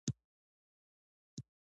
د مغز د روغتیا لپاره باید څه وکړم؟